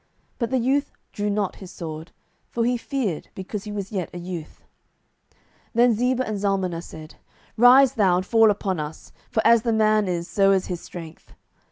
But the youth drew not his sword: for he feared, because he was yet a youth. 07:008:021 Then Zebah and Zalmunna said, Rise thou, and fall upon us: for as the man is, so is his strength.